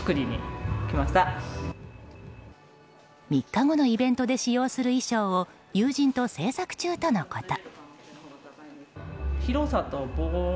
３日後のイベントで使用する衣装を友人と制作中とのこと。